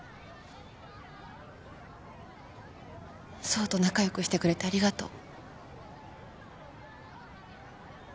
爽と仲良くしてくれてありがとう。